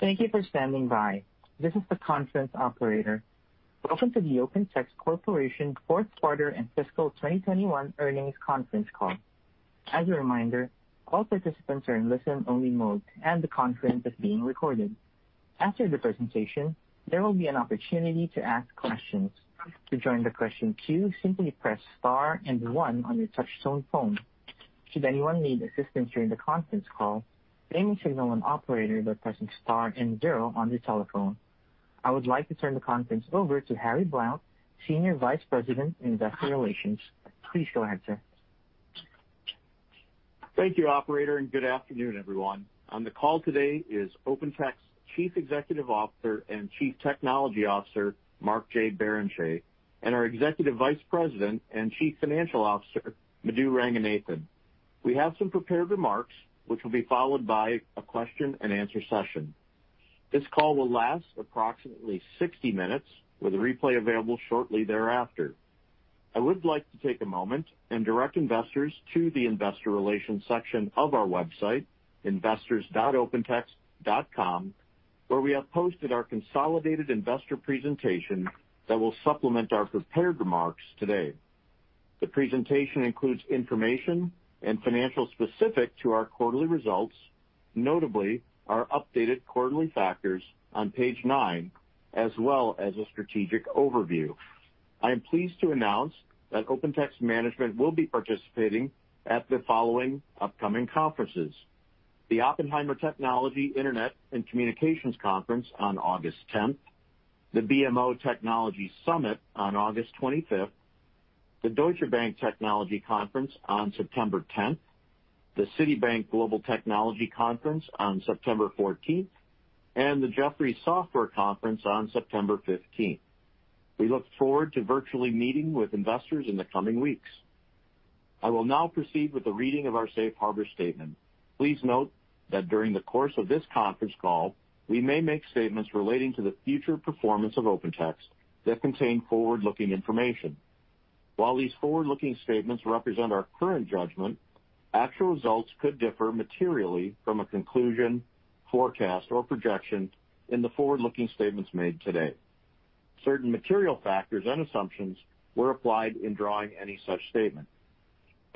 Thank you for standing by. This is the conference operator. Welcome to the OpenText Corporation fourth quarter and fiscal 2021 earnings conference call. As a reminder, all participants are in listen only mode and the conference is being recorded. After the presentation, there will be an opportunity to ask questions. To join the question queue, simply press star and one on your touchtone phone. Should anyone need assistance during the conference call, they may signal an operator by pressing star and zero on their telephone. I would like to turn the conference over to Harry Blount, Senior Vice President, Investor Relations. Please go ahead, sir. Thank you, operator. Good afternoon, everyone. On the call today is OpenText Chief Executive Officer and Chief Technology Officer, Mark J. Barrenechea, and our Executive Vice President and Chief Financial Officer, Madhu Ranganathan. We have some prepared remarks, which will be followed by a question and answer session. This call will last approximately 60 minutes, with a replay available shortly thereafter. I would like to take a moment and direct investors to the investor relations section of our website, investors.opentext.com, where we have posted our consolidated investor presentation that will supplement our prepared remarks today. The presentation includes information and financials specific to our quarterly results, notably our updated quarterly factors on page nine, as well as a strategic overview. I am pleased to announce that OpenText management will be participating at the following upcoming conferences: the Oppenheimer Technology, Internet & Communications Conference on August 10th, the BMO Technology Summit on August 25th, the Deutsche Bank Technology Conference on September 10th, the Citi Global Technology Conference on September 14th, and the Jefferies Software Conference on September 15th. We look forward to virtually meeting with investors in the coming weeks. I will now proceed with the reading of our safe harbor statement. Please note that during the course of this conference call, we may make statements relating to the future performance of OpenText that contain forward-looking information. While these forward-looking statements represent our current judgment, actual results could differ materially from a conclusion, forecast, or projection in the forward-looking statements made today. Certain material factors and assumptions were applied in drawing any such statement.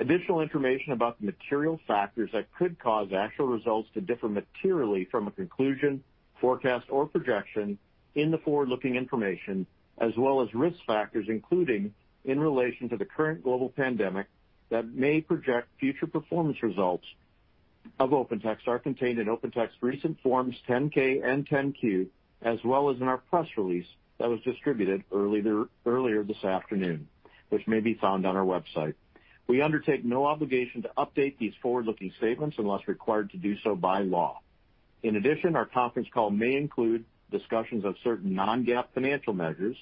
Additional information about the material factors that could cause actual results to differ materially from a conclusion, forecast, or projection in the forward-looking information, as well as risk factors, including in relation to the current global pandemic that may project future performance results of OpenText, are contained in OpenText's recent Forms 10-K and 10-Q, as well as in our press release that was distributed earlier this afternoon, which may be found on our website. We undertake no obligation to update these forward-looking statements unless required to do so by law. In addition, our conference call may include discussions of certain non-GAAP financial measures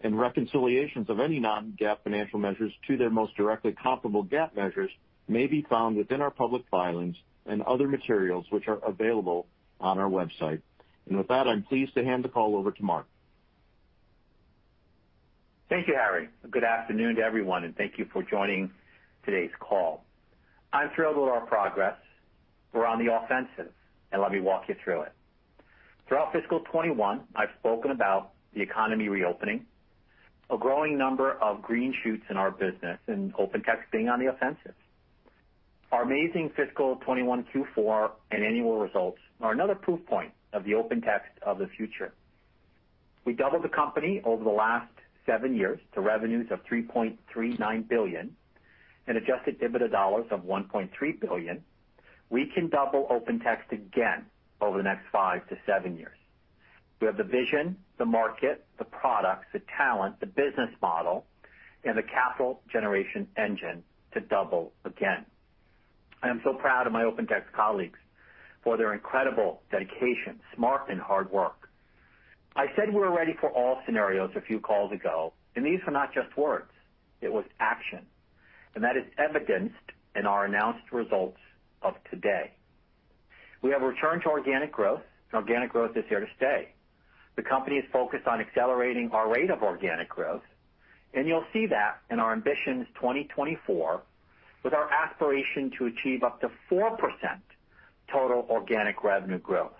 and reconciliations of any non-GAAP financial measures to their most directly comparable GAAP measures may be found within our public filings and other materials, which are available on our website. With that, I'm pleased to hand the call over to Mark. Thank you, Harry. Good afternoon to everyone, and thank you for joining today's call. I'm thrilled with our progress. We're on the offensive, and let me walk you through it. Throughout fiscal 2021, I've spoken about the economy reopening, a growing number of green shoots in our business, and OpenText being on the offensive. Our amazing fiscal 2021 Q4 and annual results are another proof point of the OpenText of the future. We doubled the company over the last seven years to revenues of $3.39 billion and adjusted EBITDA dollars of $1.3 billion. We can double OpenText again over the next five-seven years. We have the vision, the market, the products, the talent, the business model, and the capital generation engine to double again. I am so proud of my OpenText colleagues for their incredible dedication, smart and hard work. I said we were ready for all scenarios a few calls ago, and these were not just words. It was action, and that is evidenced in our announced results of today. We have returned to organic growth, and organic growth is here to stay. The company is focused on accelerating our rate of organic growth, and you'll see that in our Ambitions 2024, with our aspiration to achieve up to 4% total organic revenue growth.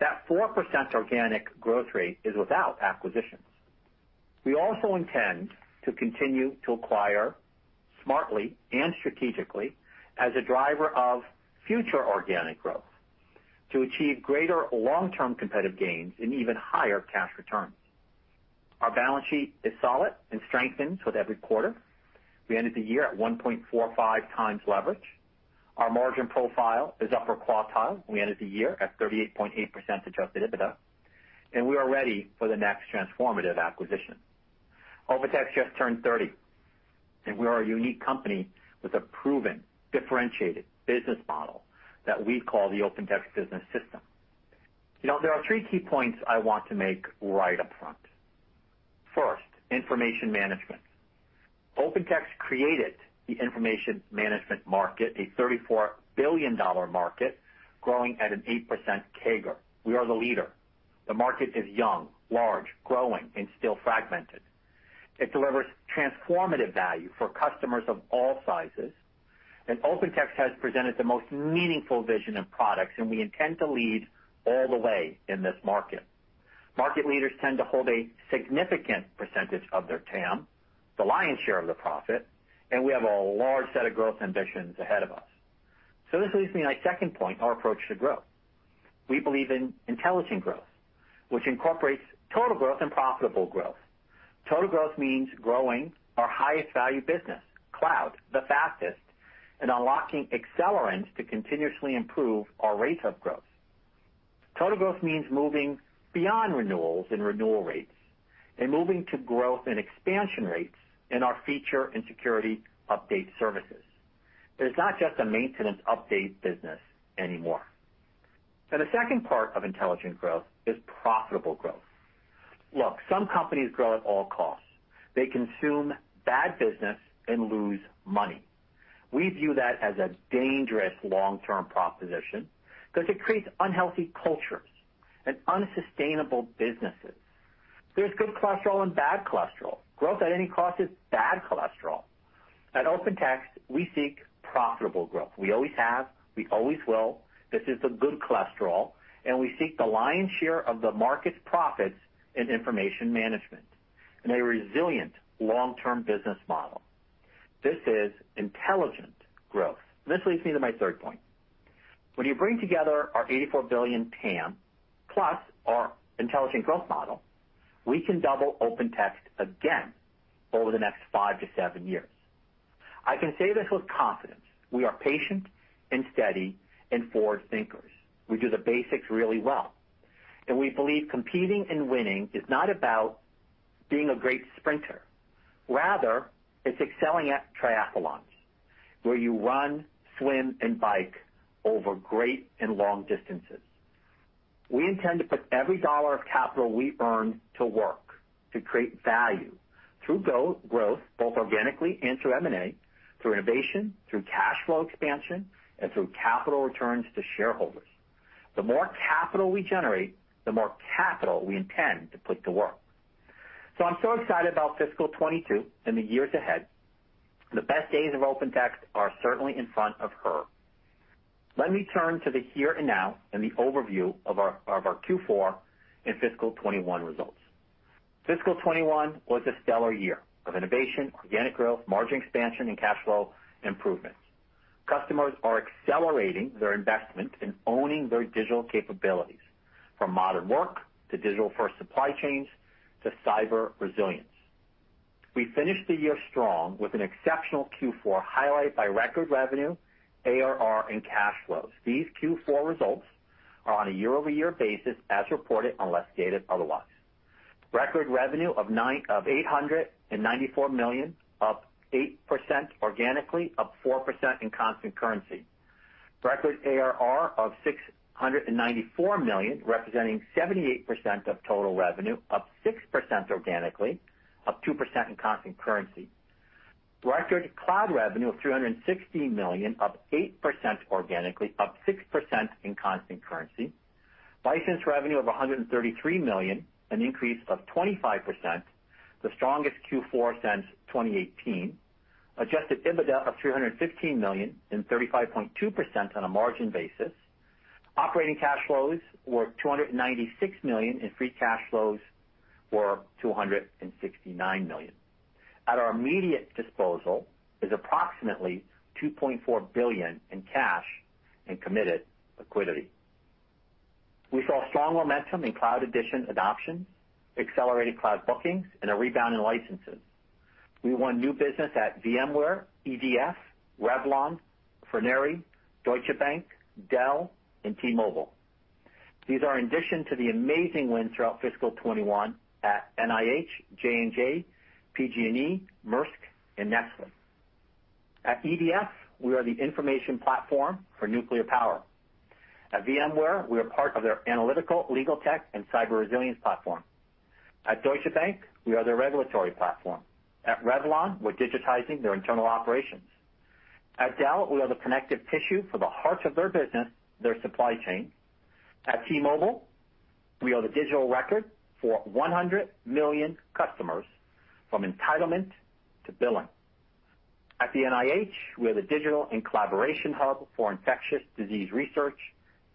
That 4% organic growth rate is without acquisitions. We also intend to continue to acquire smartly and strategically as a driver of future organic growth to achieve greater long-term competitive gains and even higher cash returns. Our balance sheet is solid and strengthens with every quarter. We ended the year at 1.45x leverage. Our margin profile is upper quartile. We ended the year at 38.8% adjusted EBITDA. We are ready for the next transformative acquisition. OpenText just turned 30. We are a unique company with a proven, differentiated business model that we call the OpenText Business System. There are three key points I want to make right up front. First, information management. OpenText created the information management market, a $34 billion market, growing at an 8% CAGR. We are the leader. The market is young, large, growing, and still fragmented. It delivers transformative value for customers of all sizes. OpenText has presented the most meaningful vision of products. We intend to lead all the way in this market. Market leaders tend to hold a significant percentage of their TAM, the lion's share of the profit. We have a large set of growth ambitions ahead of us. This leads me to my second point, our approach to growth. We believe in intelligent growth, which incorporates total growth and profitable growth. Total growth means growing our highest value business, cloud, the fastest, and unlocking accelerants to continuously improve our rate of growth. Total growth means moving beyond renewals and renewal rates and moving to growth and expansion rates in our feature and security update services. It is not just a maintenance update business anymore. The second part of intelligent growth is profitable growth. Look, some companies grow at all costs. They consume bad business and lose money. We view that as a dangerous long-term proposition because it creates unhealthy cultures and unsustainable businesses. There's good cholesterol and bad cholesterol. Growth at any cost is bad cholesterol. At OpenText, we seek profitable growth. We always have, we always will. This is the good cholesterol. We seek the lion's share of the market's profits in information management in a resilient long-term business model. This is intelligent growth. This leads me to my third point. When you bring together our $84 billion TAM plus our intelligent growth model, we can double OpenText again over the next five-seven years. I can say this with confidence. We are patient and steady and forward thinkers. We do the basics really well. We believe competing and winning is not about being a great sprinter. Rather, it's excelling at triathlons, where you run, swim, and bike over great and long distances. We intend to put every dollar of capital we earn to work to create value through growth, both organically and through M&A, through innovation, through cash flow expansion, and through capital returns to shareholders. The more capital we generate, the more capital we intend to put to work. I'm so excited about fiscal 2022 and the years ahead. The best days of OpenText are certainly in front of her. Let me turn to the here and now and the overview of our Q4 and fiscal 2021 results. Fiscal 2021 was a stellar year of innovation, organic growth, margin expansion, and cash flow improvements. Customers are accelerating their investment in owning their digital capabilities, from modern work to digital first supply chains to cyber resilience. We finished the year strong with an exceptional Q4 highlight by record revenue, ARR, and cash flows. These Q4 results are on a year-over-year basis as reported unless stated otherwise. Record revenue of $894 million, up 8% organically, up 4% in constant currency. Record ARR of $694 million, representing 78% of total revenue, up 6% organically, up 2% in constant currency. Record cloud revenue of $316 million, up 8% organically, up 6% in constant currency. License revenue of $133 million, an increase of 25%, the strongest Q4 since 2018. Adjusted EBITDA of $315 million and 35.2% on a margin basis. Operating cash flows were $296 million, and free cash flows were $269 million. At our immediate disposal is approximately $2.4 billion in cash and committed liquidity. We saw strong momentum in Cloud Editions adoption, accelerated cloud bookings, and a rebound in licenses. We won new business at VMware, EDF, Revlon, Froneri, Deutsche Bank, Dell, and T-Mobile. These are in addition to the amazing wins throughout fiscal 2021 at NIH, J&J, PG&E, Maersk, and Nexmo. At EDF, we are the information platform for nuclear power. At VMware, we are part of their analytical, legal tech, and cyber resilience platform. At Deutsche Bank, we are their regulatory platform. At Revlon, we're digitizing their internal operations. At Dell, we are the connective tissue for the heart of their business, their supply chain. At T-Mobile, we are the digital record for 100 million customers, from entitlement to billing. At the NIH, we are the digital and collaboration hub for infectious disease research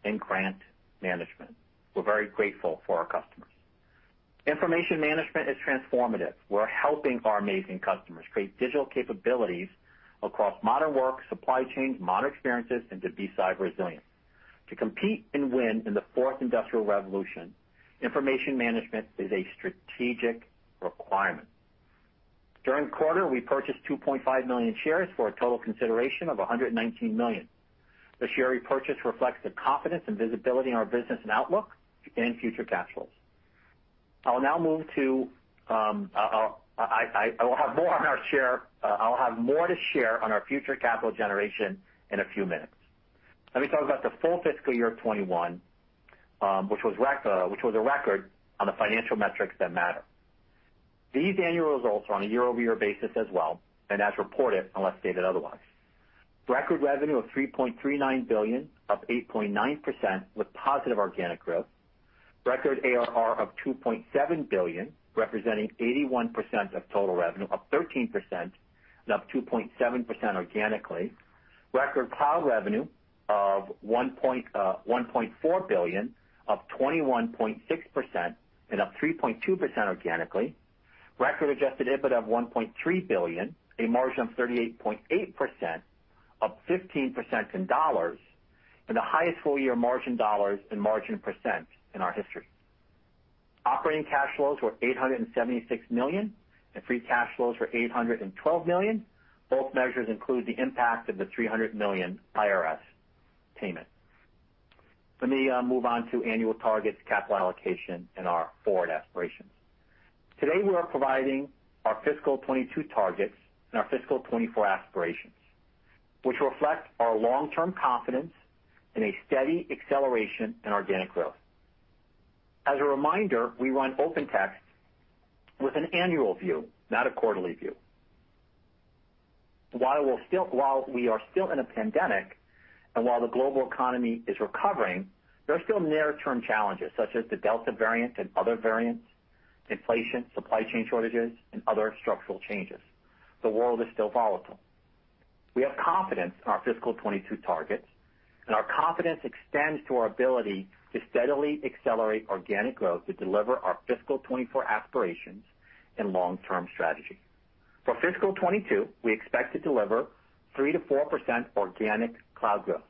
and grant management. We're very grateful for our customers. Information management is transformative. We're helping our amazing customers create digital capabilities across modern work, supply chains, modern experiences, and to be cyber resilient. To compete and win in the fourth industrial revolution, information management is a strategic requirement. During the quarter, we purchased 2.5 million shares for a total consideration of $119 million. The share repurchase reflects the confidence and visibility in our business and outlook and future cash flows. I will have more to share on our future capital generation in a few minutes. Let me talk about the full fiscal year 2021, which was a record on the financial metrics that matter. These annual results are on a year-over-year basis as well, and as reported unless stated otherwise. Record revenue of $3.39 billion, up 8.9% with positive organic growth. Record ARR of $2.7 billion, representing 81% of total revenue, up 13%, and up 2.7% organically. Record cloud revenue of $1.4 billion, up 21.6% and up 3.2% organically. Record adjusted EBITDA of $1.3 billion, a margin of 38.8%, up 15% in dollars, and the highest full year margin dollars and margin percent in our history. Operating cash flows were $876 million, and free cash flows were $812 million. Both measures include the impact of the $300 million IRS payment. Let me move on to annual targets, capital allocation and our forward aspirations. Today, we are providing our fiscal 2022 targets and our fiscal 2024 aspirations, which reflect our long-term confidence in a steady acceleration in organic growth. As a reminder, we run OpenText with an annual view, not a quarterly view. While we are still in a pandemic and while the global economy is recovering, there are still near-term challenges such as the Delta variant and other variants, inflation, supply chain shortages, and other structural changes. The world is still volatile. We have confidence in our fiscal 2022 targets, and our confidence extends to our ability to steadily accelerate organic growth to deliver our fiscal 2024 aspirations and long-term strategy. For fiscal 2022, we expect to deliver 3%-4% organic cloud growth,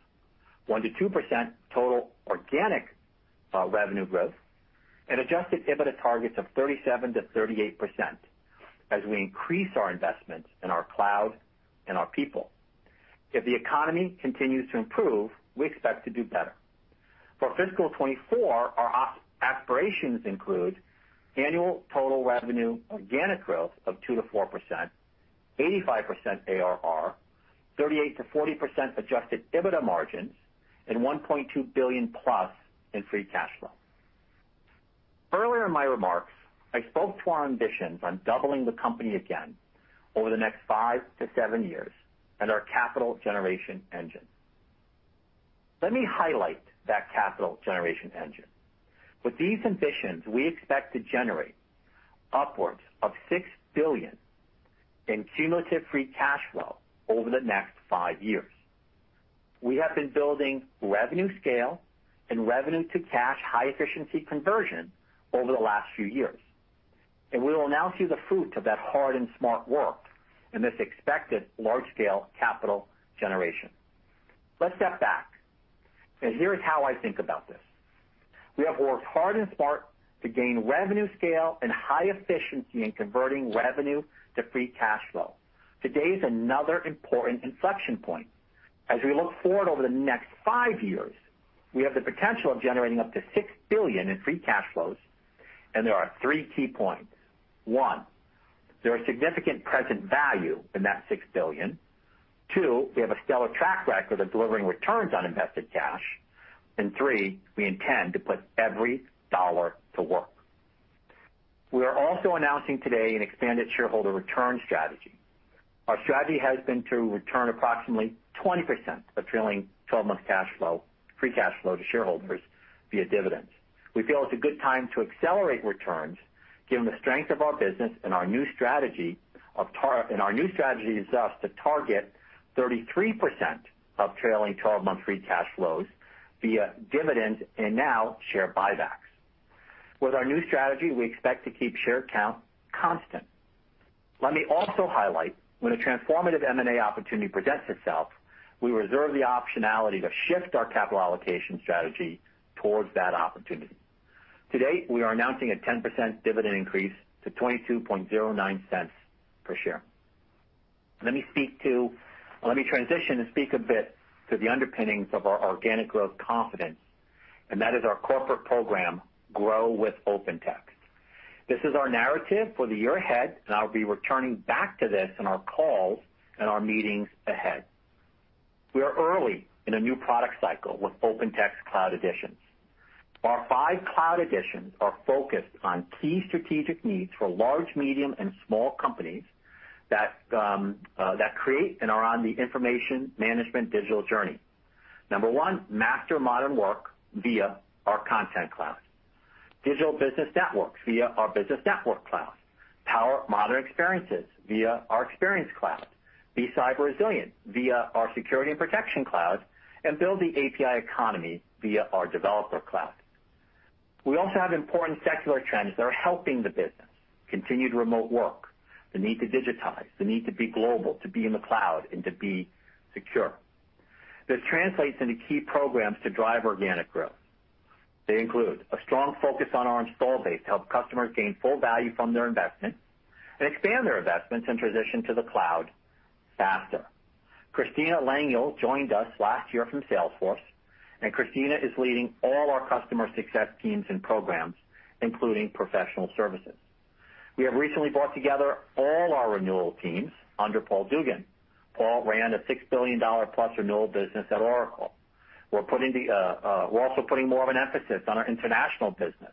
1%-2% total organic revenue growth, and adjusted EBITDA targets of 37%-38% as we increase our investments in our cloud and our people. If the economy continues to improve, we expect to do better. For fiscal 2024, our aspirations include annual total revenue organic growth of 2%-4%, 85% ARR, 38%-40% adjusted EBITDA margins, and $1.2 billion-plus in free cash flow. Earlier in my remarks, I spoke to our ambitions on doubling the company again over the next five-seven years and our capital generation engine. Let me highlight that capital generation engine. With these ambitions, we expect to generate upwards of $6 billion in cumulative free cash flow over the next five years. We have been building revenue scale and revenue to cash high efficiency conversion over the last few years. We will now see the fruit of that hard and smart work in this expected large scale capital generation. Let's step back. Here is how I think about this. We have worked hard and smart to gain revenue scale and high efficiency in converting revenue to free cash flow. Today is another important inflection point. As we look forward over the next five years, we have the potential of generating up to $6 billion in free cash flows. There are three key points. One. There are significant present value in that $6 billion. Two. We have a stellar track record of delivering returns on invested cash. Three. We intend to put every dollar to work. We are also announcing today an expanded shareholder return strategy. Our strategy has been to return approximately 20% of trailing 12-month free cash flow to shareholders via dividends. We feel it's a good time to accelerate returns given the strength of our business and our new strategy is thus to target 33% of trailing 12-month free cash flows via dividends and now share buybacks. With our new strategy, we expect to keep share count constant. Let me also highlight when a transformative M&A opportunity presents itself, we reserve the optionality to shift our capital allocation strategy towards that opportunity. Today, we are announcing a 10% dividend increase to $0.2209 per share. Let me transition and speak a bit to the underpinnings of our organic growth confidence. That is our corporate program, Grow with OpenText. This is our narrative for the year ahead. I'll be returning back to this in our calls and our meetings ahead. We are early in a new product cycle with OpenText Cloud Editions. Our five Cloud Editions are focused on key strategic needs for large, medium, and small companies that create and are on the information management digital journey. Number one, master modern work via our Content Cloud. Digital business networks via our Business Network Cloud. Power modern experiences via our Experience Cloud. Be cyber resilient via our Security & Protection Cloud, and build the API economy via our Developer Cloud. We also have important secular trends that are helping the business. Continued remote work, the need to digitize, the need to be global, to be in the cloud, and to be secure. This translates into key programs to drive organic growth. They include a strong focus on our install base to help customers gain full value from their investment and expand their investments and transition to the cloud faster. Kristina Lengyel joined us last year from Salesforce, and Kristina is leading all our customer success teams and programs, including professional services. We have recently brought together all our renewal teams under Paul Duggan. Paul ran a $6 billion plus renewal business at Oracle. We're also putting more of an emphasis on our international business.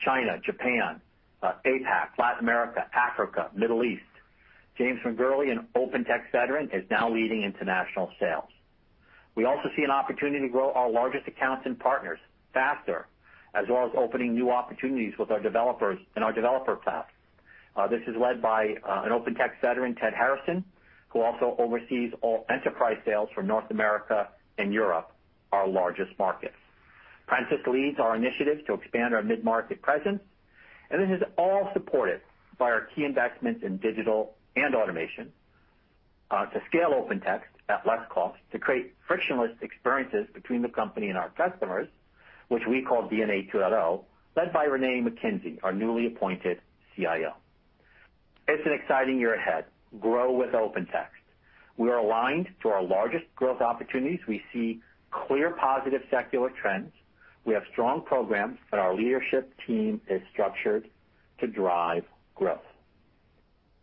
China, Japan, APAC, Latin America, Africa, Middle East. James McGourlay, an OpenText veteran, is now leading international sales. We also see an opportunity to grow our largest accounts and partners faster, as well as opening new opportunities with our developers in our Developer Cloud. This is led by an OpenText veteran, Ted Harrison, who also oversees all enterprise sales for North America and Europe, our largest markets. Francis leads our initiative to expand our mid-market presence, and this is all supported by our key investments in digital and automation, to scale OpenText at less cost to create frictionless experiences between the company and our customers, which we call DNA 2.0, led by Renee McKenzie, our newly appointed CIO. It's an exciting year ahead. Grow with OpenText. We are aligned to our largest growth opportunities. We see clear positive secular trends. We have strong programs, and our leadership team is structured to drive growth.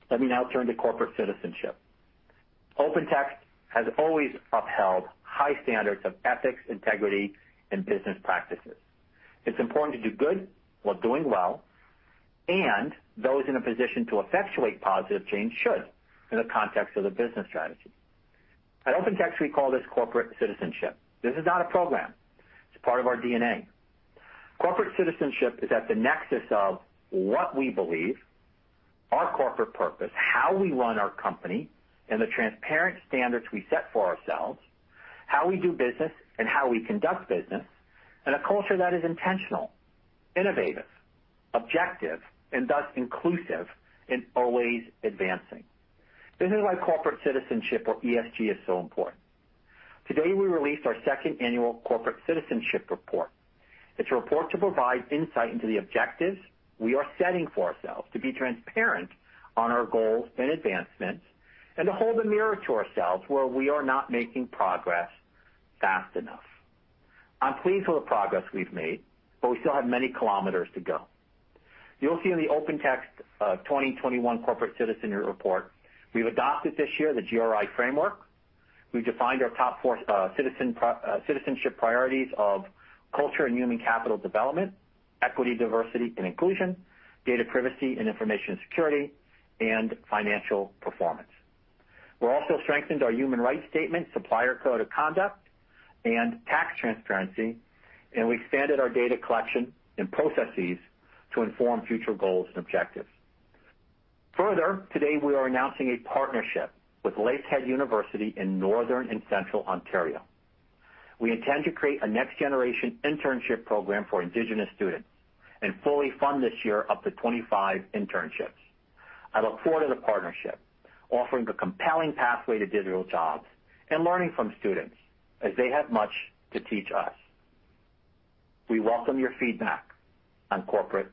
Let me now turn to corporate citizenship. OpenText has always upheld high standards of ethics, integrity, and business practices. It's important to do good while doing well, and those in a position to effectuate positive change should, in the context of the business strategy. At OpenText, we call this corporate citizenship. This is not a program. It's part of our DNA. Corporate citizenship is at the nexus of what we believe, our corporate purpose, how we run our company, and the transparent standards we set for ourselves, how we do business and how we conduct business, and a culture that is intentional, innovative, objective, and thus inclusive and always advancing. This is why corporate citizenship or ESG is so important. Today, we released our second annual corporate citizenship report. It's a report to provide insight into the objectives we are setting for ourselves to be transparent on our goals and advancements and to hold a mirror to ourselves where we are not making progress fast enough. I'm pleased with the progress we've made, but we still have many kilometers to go. You'll see in the OpenText 2021 corporate citizenship report, we've adopted this year the GRI framework. We've defined our top four citizenship priorities of culture and human capital development, equity, diversity, and inclusion, data privacy and information security, and financial performance. We have also strengthened our human right statement supplier code of conduct and tax transparency. We expanded our data collection and processes to inform future goals and objectives. Today we are announcing a partnership with Lakehead University in Northern and Central Ontario. We intend to create a next generation internship program for indigenous students and fully fund this year up to 25 internships. I look forward to the partnership, offering a compelling pathway to digital jobs and learning from students as they have much to teach us. We welcome your feedback on corporate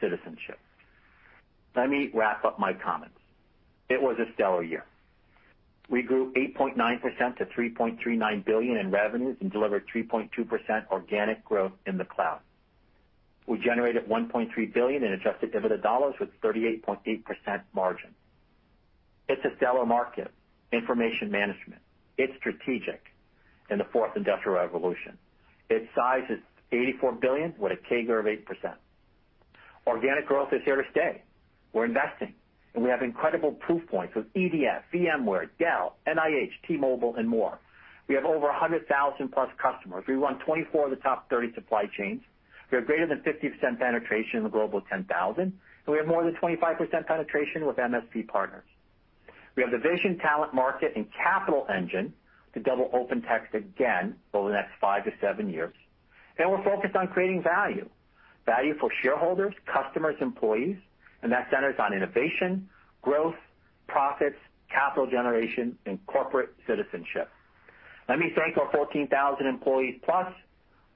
citizenship. Let me wrap up my comments. It was a stellar year. We grew 8.9% to $3.39 billion in revenues and delivered 3.2% organic growth in the cloud. We generated $1.3 billion in adjusted EBITDA with 38.8% margin. It's a stellar market. Information management. It's strategic in the fourth industrial revolution. Its size is $84 billion with a CAGR of 8%. Organic growth is here to stay. We're investing, and we have incredible proof points with EDF, VMware, Dell, NIH, T-Mobile, and more. We have over 100,000+ customers. We run 24 of the top 30 supply chains. We have greater than 50% penetration in the Global 10,000, and we have more than 25% penetration with MSP partners. We have the vision, talent, market, and capital engine to double OpenText again over the next five-seven years. We're focused on creating value. Value for shareholders, customers, employees, and that centers on innovation, growth, profits, capital generation, and corporate citizenship. Let me thank our 14,000 employees plus,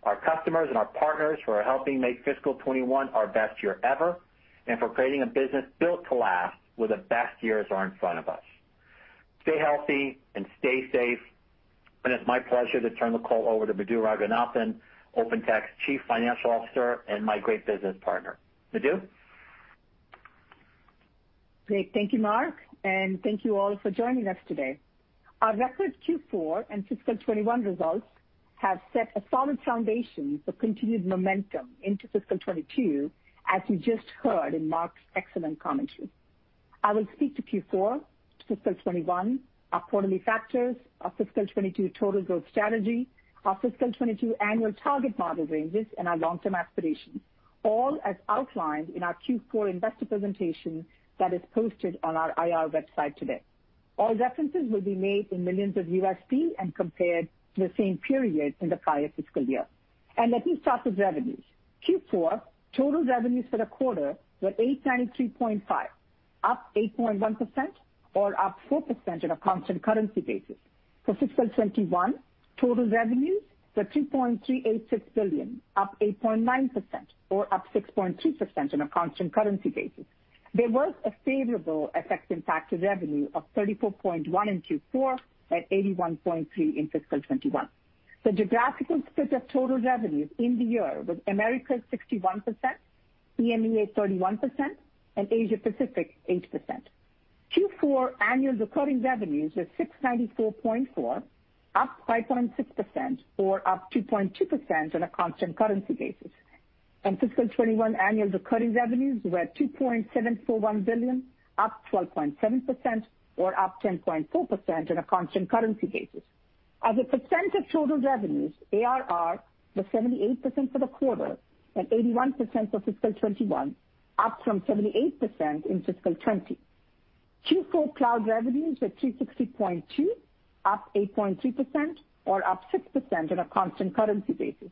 our customers and our partners who are helping make fiscal 2021 our best year ever and for creating a business built to last where the best years are in front of us. Stay healthy and stay safe, and it's my pleasure to turn the call over to Madhu Ranganathan, OpenText Chief Financial Officer and my great business partner. Madhu? Great. Thank you, Mark, and thank you all for joining us today. Our record Q4 and fiscal 2021 results have set a solid foundation for continued momentum into fiscal 2022, as you just heard in Mark's excellent commentary. I will speak to Q4, fiscal 2021, our quarterly factors, our fiscal 2022 total growth strategy, our fiscal 2022 annual target model ranges, and our long-term aspirations, all as outlined in our Q4 investor presentation that is posted on our IR website today. All references will be made in millions of USD and compared to the same period in the prior fiscal year. Let me start with revenues. Q4 total revenues for the quarter were $893.5 million, up 8.1% or up 4% on a constant currency basis. For fiscal 2021, total revenues were $3.386 billion, up 8.9% or up 6.2% on a constant currency basis. There was a favorable effect in fact to revenue of $34.1 in Q4 and $81.3 in fiscal 2021. The geographical split of total revenues in the year was Americas 61%, EMEA 31%, and Asia Pacific 8%. Q4 annual recurring revenues were $694.4, up 5.6% or up 2.2% on a constant currency basis. Fiscal 2021 annual recurring revenues were $2.741 billion, up 12.7%, or up 10.4% on a constant currency basis. As a percent of total revenues, ARR was 78% for the quarter and 81% for fiscal 2021, up from 78% in fiscal 2020. Q4 cloud revenues were $360.2, up 8.3%, or up 6% on a constant currency basis.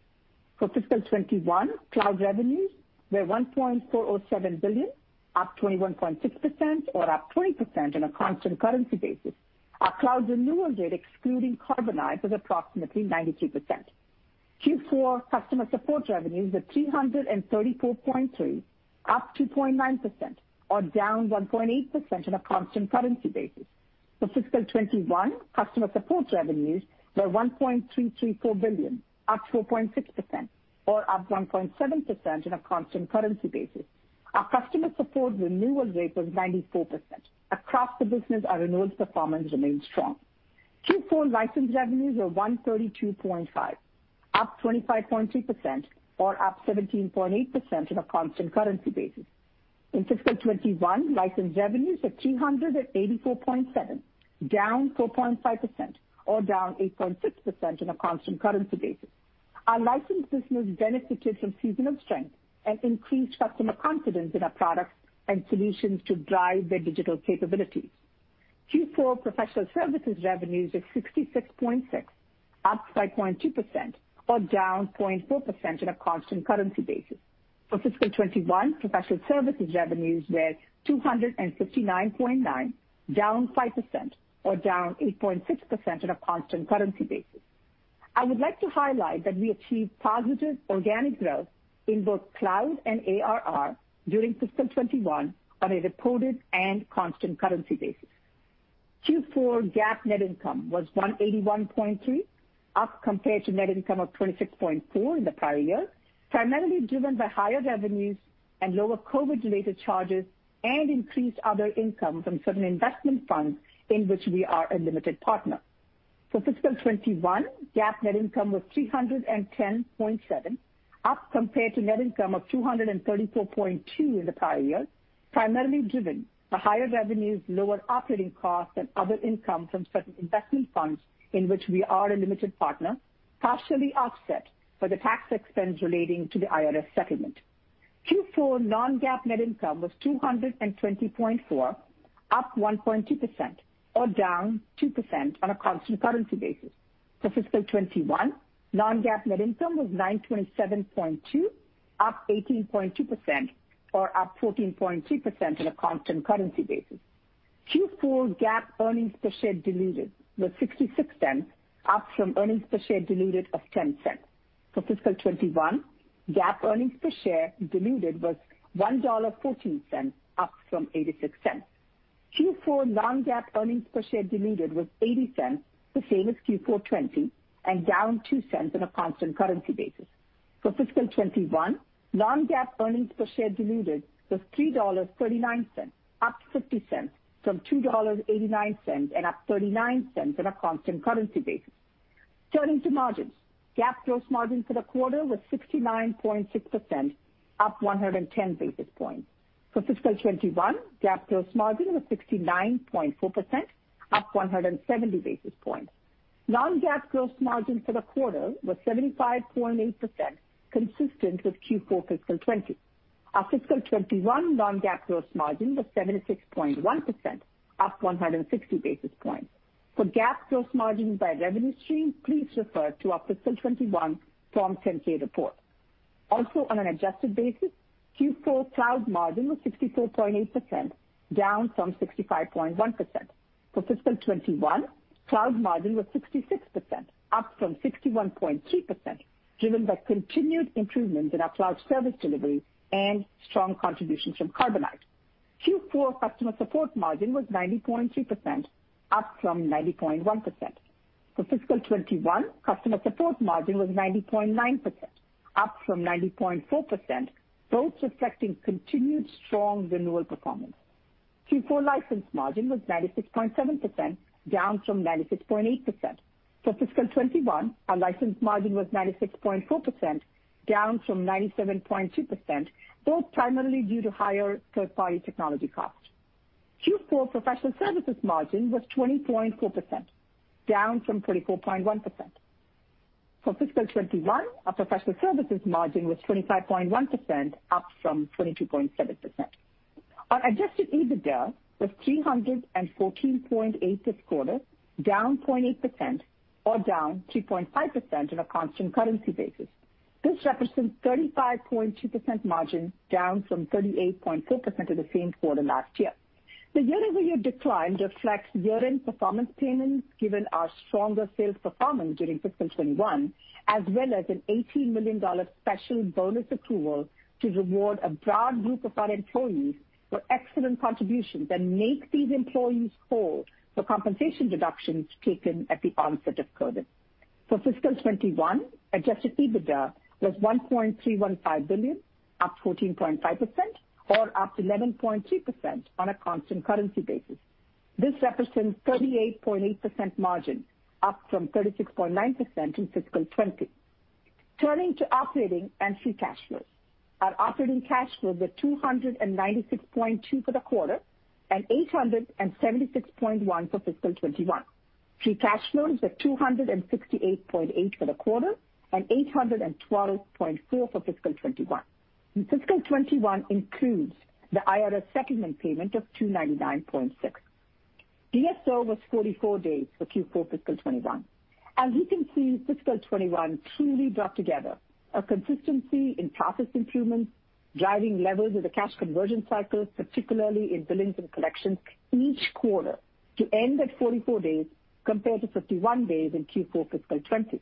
For fiscal 2021, cloud revenues were $1.407 billion, up 21.6%, or up 20% on a constant currency basis. Our cloud renewal rate, excluding Carbonite, was approximately 93%. Q4 customer support revenues were $334.3 million, up 2.9%, or down 1.8% on a constant currency basis. For fiscal 2021, customer support revenues were $1.334 billion, up 4.6%, or up 1.7% on a constant currency basis. Our customer support renewal rate was 94%. Across the business, our renewals performance remained strong. Q4 license revenues were $132.5 million, up 25.2%, or up 17.8% on a constant currency basis. In fiscal 2021, license revenues were $384.7 million, down 4.5%, or down 8.6% on a constant currency basis. Our license business benefited from seasonal strength and increased customer confidence in our products and solutions to drive their digital capabilities. Q4 professional services revenues were $66.6 million, up by 0.2%, or down 0.4% on a constant currency basis. For fiscal 2021, professional services revenues were $259.9 million, down 5%, or down 8.6% on a constant currency basis. I would like to highlight that we achieved positive organic growth in both cloud and ARR during fiscal 2021 on a reported and constant currency basis. Q4 GAAP net income was $181.3, up compared to net income of $26.4 in the prior year, primarily driven by higher revenues and lower COVID-related charges and increased other income from certain investment funds in which we are a limited partner. For fiscal 2021, GAAP net income was $310.7, up compared to net income of $234.2 in the prior year, primarily driven by higher revenues, lower operating costs, and other income from certain investment funds in which we are a limited partner, partially offset by the tax expense relating to the IRS settlement. Q4 non-GAAP net income was $220.4, up 1.2%, or down 2% on a constant currency basis. For fiscal 2021, non-GAAP net income was $927.2, up 18.2%, or up 14.2% on a constant currency basis. Q4 GAAP earnings per share diluted was $0.66, up from earnings per share diluted of $0.10. For fiscal 2021, GAAP earnings per share diluted was $1.14, up from $0.86. Q4 non-GAAP earnings per share diluted was $0.80, the same as Q4 2020, and down $0.02 on a constant currency basis. For fiscal 2021, non-GAAP earnings per share diluted was $3.39, up $0.50 from $2.89, and up $0.39 on a constant currency basis. Turning to margins. GAAP gross margin for the quarter was 69.6%, up 110 basis points. For fiscal 2021, GAAP gross margin was 69.4%, up 170 basis points. Non-GAAP gross margin for the quarter was 75.8%, consistent with Q4 fiscal 2020. Our fiscal 2021 non-GAAP gross margin was 76.1%, up 160 basis points. For GAAP gross margin by revenue stream, please refer to our fiscal 2021 Form 10-K report. Also, on an adjusted basis, Q4 cloud margin was 64.8%, down from 65.1%. For fiscal 2021, cloud margin was 66%, up from 61.3%, driven by continued improvements in our cloud service delivery and strong contributions from Carbonite. Q4 customer support margin was 90.3%, up from 90.1%. For fiscal 2021, customer support margin was 90.9%, up from 90.4%, both reflecting continued strong renewal performance. Q4 license margin was 96.7%, down from 96.8%. For fiscal 2021, our license margin was 96.4%, down from 97.2%, both primarily due to higher third-party technology costs. Q4 professional services margin was 20.4%, down from 24.1%. For fiscal 2021, our professional services margin was 25.1%, up from 22.7%. Our adjusted EBITDA was $314.8 this quarter, down 0.8%, or down 2.5% on a constant currency basis. This represents 35.2% margin, down from 38.4% for the same quarter last year. The year-over-year decline reflects year-end performance payments given our stronger sales performance during fiscal 2021, as well as an $18 million special bonus approval to reward a broad group of our employees for excellent contributions that make these employees whole for compensation reductions taken at the onset of COVID. For fiscal 2021, Adjusted EBITDA was $1.315 billion, up 14.5%, or up 11.2% on a constant currency basis. This represents 38.8% margin, up from 36.9% in fiscal 2020. Turning to operating and free cash flow. Our operating cash flow was $296.2 for the quarter and $876.1 for fiscal 2021. Free cash flow is at $268.8 for the quarter and $812.4 for fiscal 2021. Fiscal 2021 includes the IRS settlement payment of $299.6. DSO was 44 days for Q4 fiscal 2021. As you can see, fiscal 2021 truly brought together a consistency in process improvements, driving levels of the cash conversion cycle, particularly in billings and collections each quarter to end at 44 days, compared to 51 days in Q4 fiscal 2020.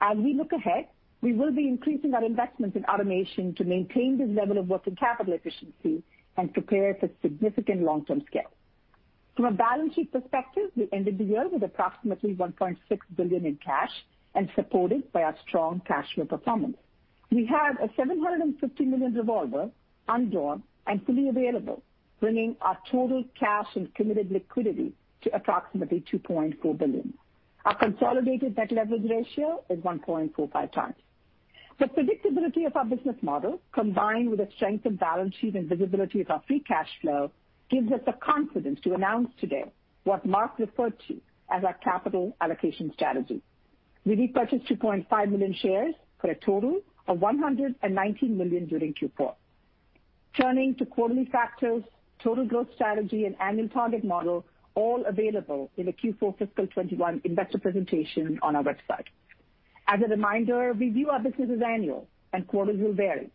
As we look ahead, we will be increasing our investments in automation to maintain this level of working capital efficiency and prepare for significant long-term scale. From a balance sheet perspective, we ended the year with approximately $1.6 billion in cash and supported by our strong cash flow performance. We have a $750 million revolver undrawn and fully available, bringing our total cash and committed liquidity to approximately $2.4 billion. Our consolidated debt leverage ratio is 1.45x. The predictability of our business model, combined with the strength of balance sheet and visibility of our free cash flow, gives us the confidence to announce today what Mark referred to as our capital allocation strategy. We repurchased 2.5 million shares for a total of $119 million during Q4. Turning to quarterly factors, total growth strategy, and annual target model, all available in the Q4 fiscal 2021 investor presentation on our website. As a reminder, we view our business as annual, and quarters will vary.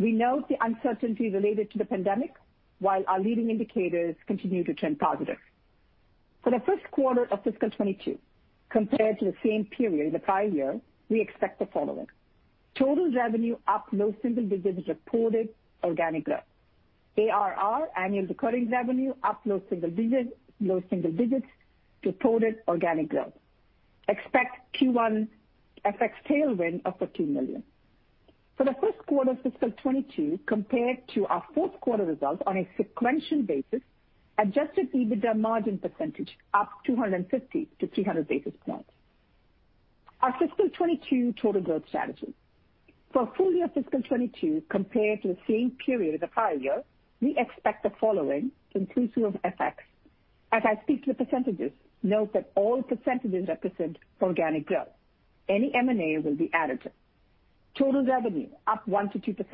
We note the uncertainty related to the pandemic, while our leading indicators continue to trend positive. For the first quarter of fiscal 2022, compared to the same period the prior year, we expect the following. Total revenue up low single digits reported organic growth. ARR, annual recurring revenue, up low single digits to total organic growth. Expect Q1 FX tailwind of $14 million. For the first quarter fiscal 2022 compared to our fourth quarter results on a sequential basis, adjusted EBITDA margin percentage up 250-300 basis points. Our fiscal 2022 total growth strategy. For full year fiscal 2022 compared to the same period the prior year, we expect the following, inclusive of FX. As I speak to the percentages, note that all percentages represent organic growth. Any M&A will be additive. Total revenue up 1%-2%.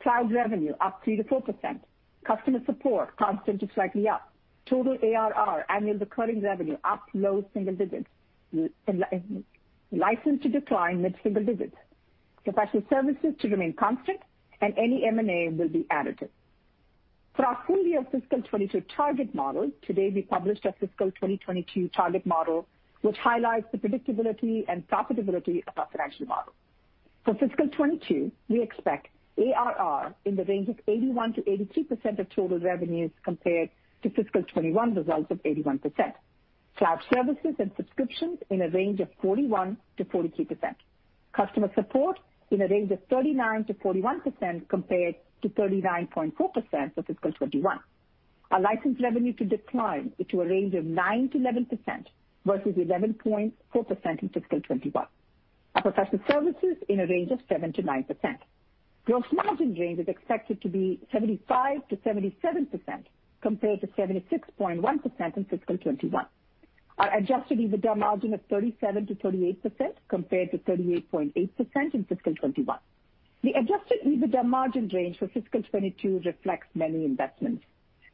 Cloud revenue up 3%-4%. Customer support constant to slightly up. Total ARR, annual recurring revenue, up low single digits. License to decline mid-single digits. Professional services to remain constant, and any M&A will be additive. For our full year fiscal 2022 target model, today we published our fiscal 2022 target model, which highlights the predictability and profitability of our financial model. For fiscal 2022, we expect ARR in the range of 81%-82% of total revenues compared to fiscal 2021 results of 81%. Cloud services and subscriptions in a range of 41%-43%. Customer support in a range of 39%-41% compared to 39.4% for fiscal 2021. Our license revenue to decline into a range of 9%-11% versus 11.4% in fiscal 2021. Our professional services in a range of 7%-9%. Gross margin range is expected to be 75%-77% compared to 76.1% in fiscal 2021. Our adjusted EBITDA margin of 37%-38% compared to 38.8% in fiscal 2021. The adjusted EBITDA margin range for fiscal 2022 reflects many investments.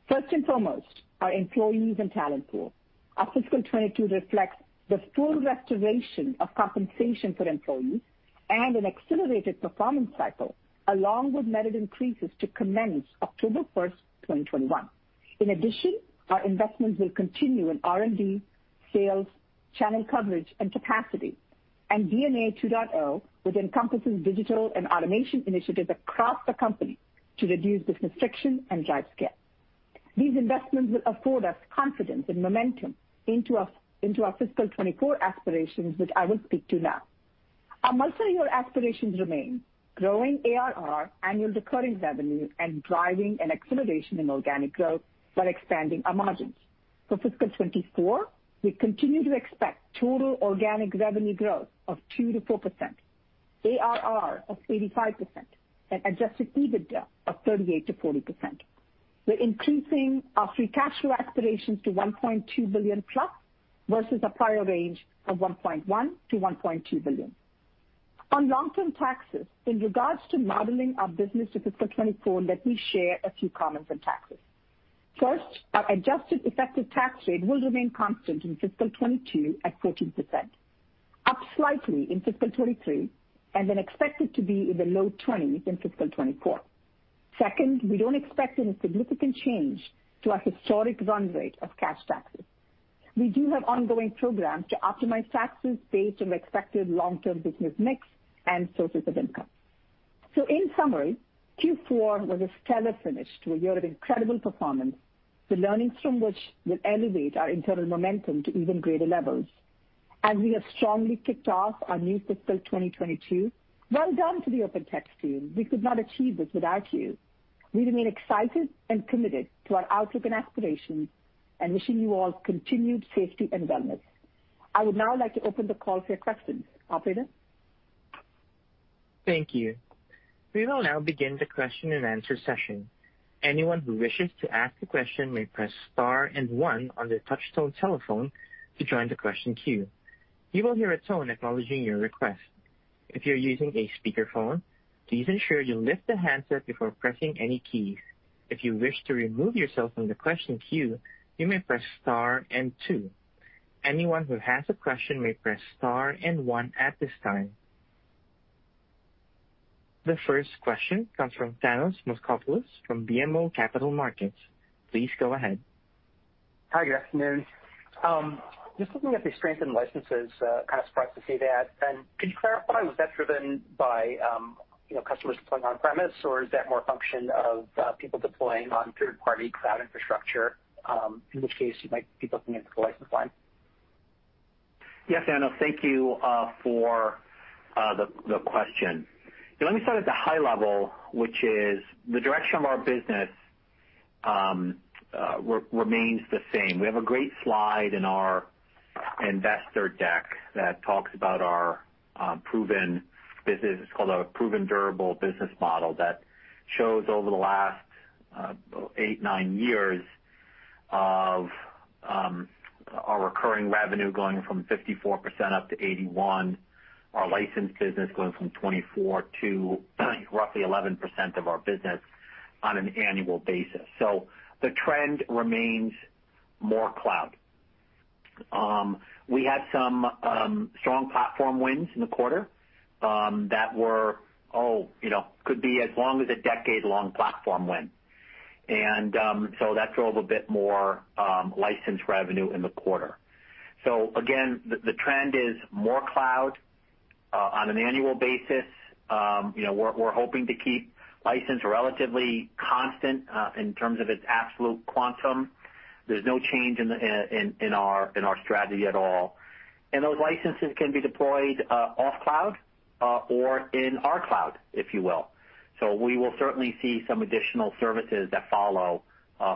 First and foremost, our employees and talent pool. Our fiscal 2022 reflects the full restoration of compensation for employees and an accelerated performance cycle, along with merit increases to commence October 1st, 2021. Our investments will continue in R&D, sales, channel coverage, and capacity, and DNA 2.0, which encompasses digital and automation initiatives across the company to reduce business friction and drive scale. These investments will afford us confidence and momentum into our fiscal 2024 aspirations, which I will speak to now. Our multi-year aspirations remain growing ARR, annual recurring revenue, and driving an acceleration in organic growth while expanding our margins. For fiscal 2024, we continue to expect total organic revenue growth of 2%-4%, ARR of 85%, and adjusted EBITDA of 38%-40%. We're increasing our free cash flow aspirations to $1.2 billion+ versus a prior range of $1.1 billion-$1.2 billion. Long-term taxes, in regards to modeling our business to fiscal 2024, let me share a few comments on taxes. First, our adjusted effective tax rate will remain constant in fiscal 2022 at 13%, up slightly in fiscal 2023, and then expected to be in the low 20s in fiscal 2024. Second, we don't expect any significant change to our historic run rate of cash taxes. We do have ongoing programs to optimize taxes based on expected long-term business mix and sources of income. In summary, Q4 was a stellar finish to a year of incredible performance, the learnings from which will elevate our internal momentum to even greater levels. As we have strongly kicked off our new fiscal 2022, well done to the OpenText team. We could not achieve this without you. We remain excited and committed to our outlook and aspirations and wishing you all continued safety and wellness. I would now like to open the call for your questions. Operator? Thank you. We will now begin the question and answer session. Anyone who wishes to ask a question may press star and one on their touch-tone telephone to join the question queue. You will hear a tone acknowledging your request. If you're using a speakerphone, please ensure you lift the handset before pressing any keys. If you wish to remove yourself from the question queue, you may press star and two. Anyone who has a question may press star and one at this time. The first question comes from Thanos Moschopoulos from BMO Capital Markets. Please go ahead. Hi, good afternoon. Just looking at the strength in licenses, kind of surprised to see that. Could you clarify, was that driven by customers deploying on-premise, or is that more a function of people deploying on third-party cloud infrastructure, in which case you might be looking at the license line? Yes, Thanos. Thank you for the question. Let me start at the high level, which is the direction of our business remains the same. We have a great slide in our investor deck that talks about our proven business. It's called our proven durable business model that shows over the last eight, nine years of our recurring revenue going from 54% up to 81%, our license business going from 24% to roughly 11% of our business on an annual basis. The trend remains more cloud. We had some strong platform wins in the quarter that could be as long as a decade-long platform win. That drove a bit more license revenue in the quarter. Again, the trend is more cloud, on an annual basis. We're hoping to keep license relatively constant in terms of its absolute quantum. There's no change in our strategy at all. Those licenses can be deployed off cloud or in our cloud, if you will. We will certainly see some additional services that follow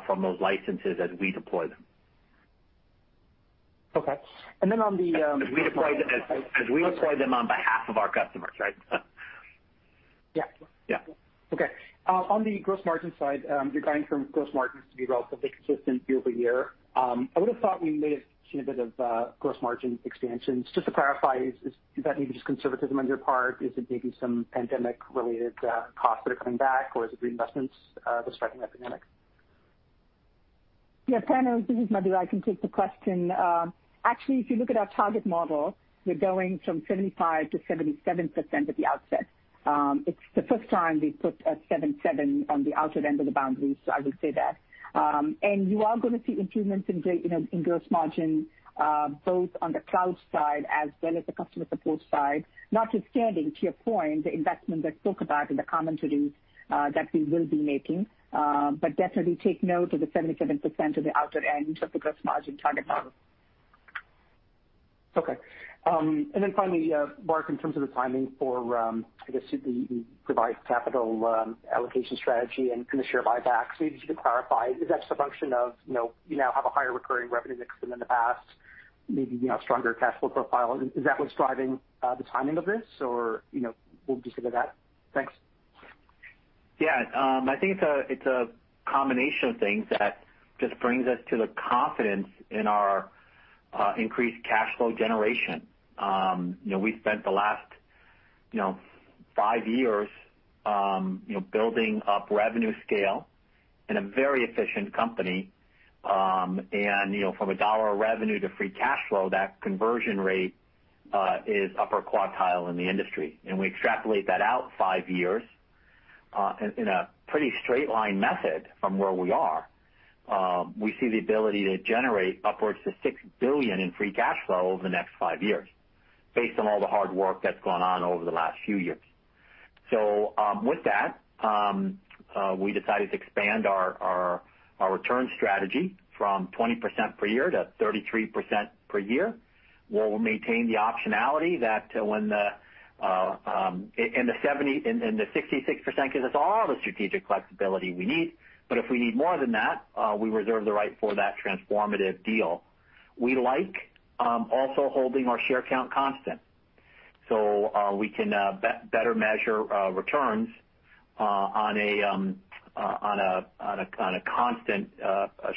from those licenses as we deploy them. Okay. As we deploy them on behalf of our customers, right? Yeah. Yeah. On the gross margin side, you're guiding for gross margins to be relatively consistent year-over-year. I would've thought we may have seen a bit of gross margin expansion. Just to clarify, is that maybe just conservatism on your part? Is it maybe some pandemic-related costs that are coming back, or is it reinvestments post-pandemic? Yeah, Thanos, this is Madhu. I can take the question. If you look at our target model, we're going from 75%-77% at the outset. It's the first time we put a 77% on the outer end of the boundaries, so I would say that. You are going to see improvements in gross margin both on the cloud side as well as the customer support side, notwithstanding, to your point, the investment I spoke about in the commentary that we will be making. Definitely take note of the 77% at the outer end of the gross margin target model. Okay. Then finally, Mark, in terms of the timing for, I guess, you provide capital allocation strategy and kind of share buybacks. Maybe just to clarify, is that just a function of you now have a higher recurring revenue mix than in the past, maybe stronger cash flow profile? Is that what's driving the timing of this, or we'll just leave it at that? Thanks. Yeah. I think it's a combination of things that just brings us to the confidence in our increased cash flow generation. We've spent the last five years building up revenue scale in a very efficient company. From a dollar of revenue to free cash flow, that conversion rate is upper quartile in the industry. We extrapolate that out five years, in a pretty straight line method from where we are. We see the ability to generate upwards to $6 billion in free cash flow over the next five years based on all the hard work that's gone on over the last few years. With that, we decided to expand our return strategy from 20% per year-33% per year, where we'll maintain the optionality that in the 66% gives us all the strategic flexibility we need. If we need more than that, we reserve the right for that transformative deal. We like also holding our share count constant. We can better measure returns on a constant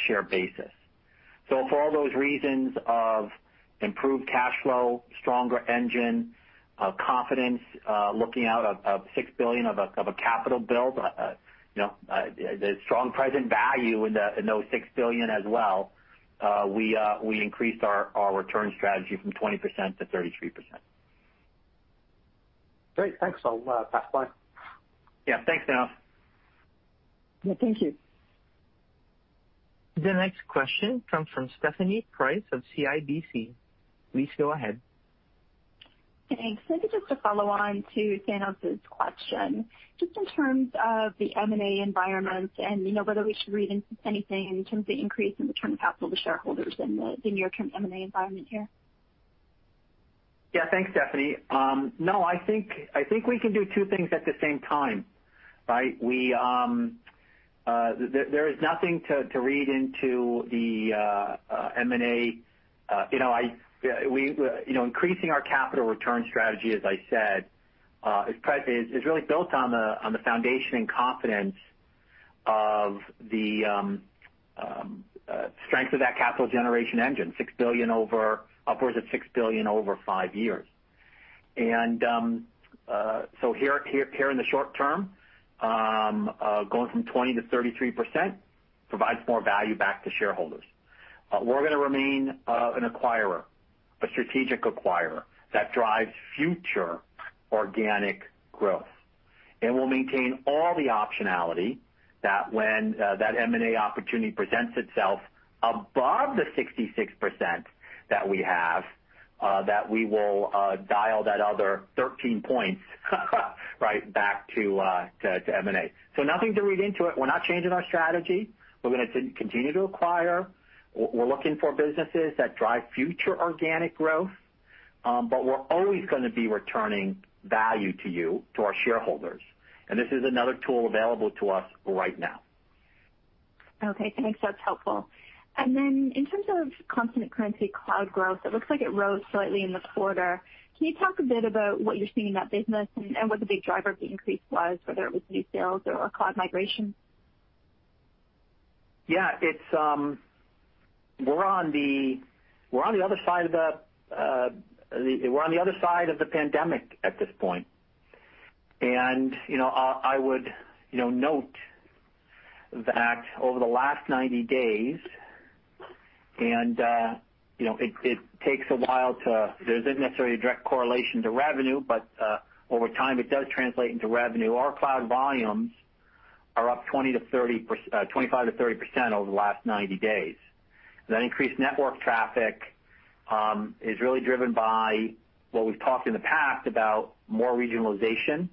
share basis. For all those reasons of improved cash flow, stronger engine, confidence, looking out at $6 billion of a capital build, the strong present value in those $6 billion as well, we increased our return strategy from 20%-33%. Great. Thanks. I'll pass by. Yeah. Thanks, Thanos. Yeah. Thank you. The next question comes from Stephanie Price of CIBC. Please go ahead. Thanks. Maybe just to follow on to Thanos' question, just in terms of the M&A environment and whether we should read into anything in terms of the increase in return of capital to shareholders in the near-term M&A environment here. Thanks, Stephanie. I think we can do two things at the same time, right? There is nothing to read into the M&A. Increasing our capital return strategy, as I said, is really built on the foundation and confidence of the strength of that capital generation engine, upwards of $6 billion over five years. Here in the short term, going from 20%-33% provides more value back to shareholders. We're going to remain an acquirer, a strategic acquirer that drives future organic growth. We'll maintain all the optionality that when that M&A opportunity presents itself above the 66% that we have, that we will dial that other 13 points right back to M&A. Nothing to read into it. We're not changing our strategy. We're going to continue to acquire. We're looking for businesses that drive future organic growth, but we're always going to be returning value to you, to our shareholders. This is another tool available to us right now. Okay, thanks. That's helpful. In terms of constant currency cloud growth, it looks like it rose slightly in the quarter. Can you talk a bit about what you're seeing in that business and what the big driver of the increase was, whether it was new sales or cloud migration? Yeah. We're on the other side of the pandemic at this point. I would note that over the last 90 days, there isn't necessarily a direct correlation to revenue, but over time it does translate into revenue. Our cloud volumes are up 25%-30% over the last 90 days. That increased network traffic is really driven by what we've talked in the past about more regionalization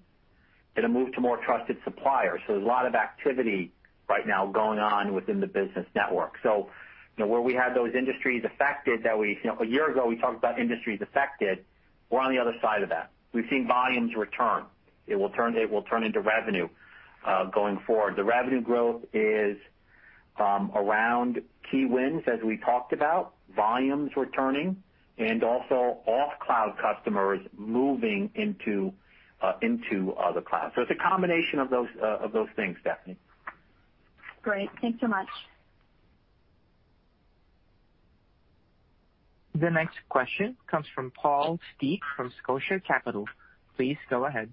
and a move to more trusted suppliers. There's a lot of activity right now going on within the business network. Where we had those industries affected, a year ago we talked about industries affected, we're on the other side of that. We've seen volumes return. It will turn into revenue going forward. The revenue growth is around key wins, as we talked about, volumes returning, and also off-cloud customers moving into the cloud. It's a combination of those things, Stephanie. Great. Thanks so much. The next question comes from Paul Steep from Scotia Capital. Please go ahead.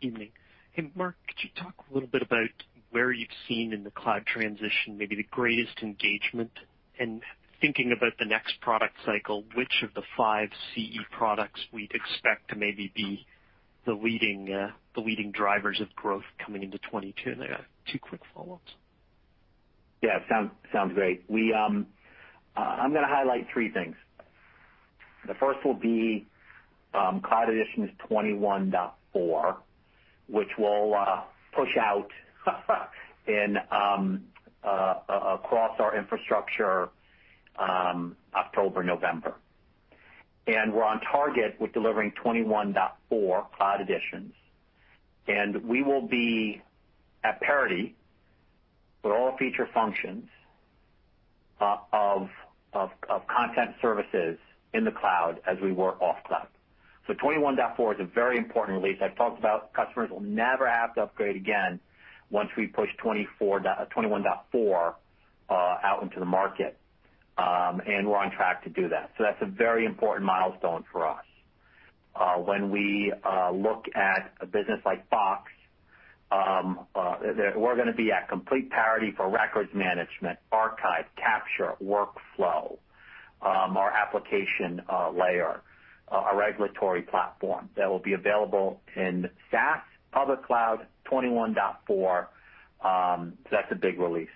Evening. Hey, Mark, could you talk a little bit about where you've seen in the cloud transition, maybe the greatest engagement? Thinking about the next product cycle, which of the five CE products we'd expect to maybe be the leading drivers of growth coming into 2022? I got two quick follow-ups. Yeah, sounds great. I'm going to highlight three things. The first will be Cloud Editions 21.4, which we'll push out across our infrastructure October, November. We're on target with delivering 21.4 Cloud Editions, and we will be at parity for all feature functions of Content Services in the cloud as we were off cloud. 21.4 is a very important release. I've talked about customers will never have to upgrade again once we push 21.4 out into the market, and we're on track to do that. That's a very important milestone for us. When we look at a business like Box, we're going to be at complete parity for records management, archive, capture, workflow, our application layer, our regulatory platform that will be available in SaaS public cloud 21.4. That's a big release.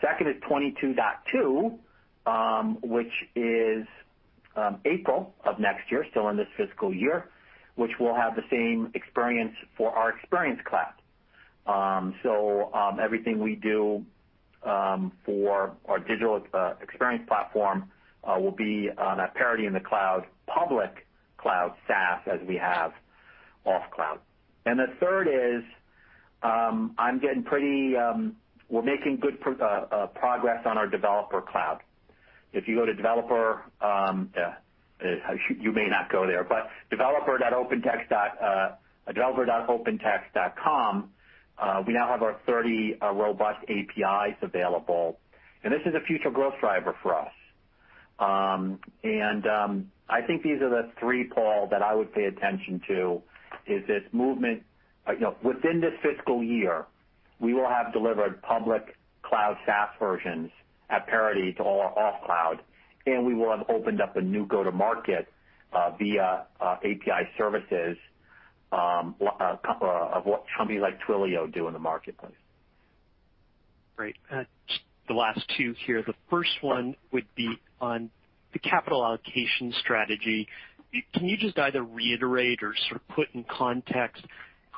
Second is 22.2, which is April of next year, still in this fiscal year, which will have the same experience for our Experience Cloud. Everything we do for our digital experience platform will be on a parity in the cloud, public cloud SaaS as we have off cloud. The third is we're making good progress on our Developer Cloud. If you go to developer.opentext.com, we now have our 30 robust APIs available, and this is a future growth driver for us. I think these are the three, Paul, that I would pay attention to, is this movement. Within this fiscal year, we will have delivered public cloud SaaS versions at parity to all our off cloud, and we will have opened up a new go-to-market via API services of what companies like Twilio do in the marketplace. Great. The last two here, the first one would be on the capital allocation strategy. Can you just either reiterate or sort of put in context,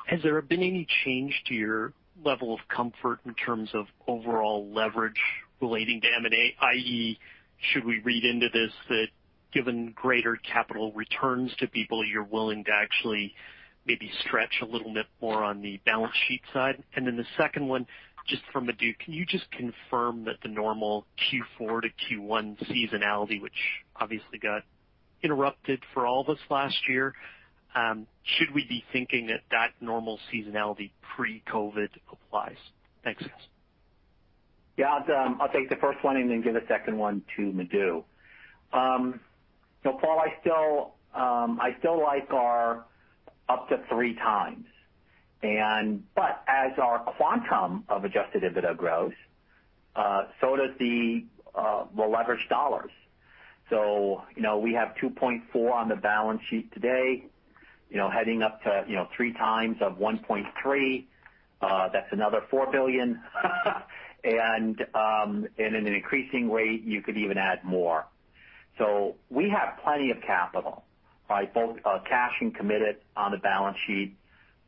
has there been any change to your level of comfort in terms of overall leverage relating to M&A, i.e., should we read into this that given greater capital returns to people, you're willing to actually maybe stretch a little bit more on the balance sheet side? The second one, just for Madhu, can you just confirm that the normal Q4-Q1 seasonality, which obviously got interrupted for all of us last year, should we be thinking that that normal seasonality pre-COVID applies? Thanks, guys. Yeah. I'll take the first one and then give the second one to Madhu. Paul, I still like our up to three times. As our quantum of adjusted EBITDA grows, so does the leverage dollars. We have 2.4 on the balance sheet today, heading up to three times of 1.3. That's another $4 billion. In an increasing rate, you could even add more. We have plenty of capital, both cash and committed on the balance sheet,